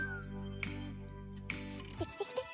きてきてきて。